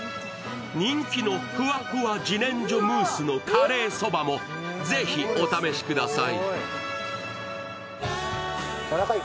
人気のフワフワじねんじょムースのカレーそばもぜひお試しください。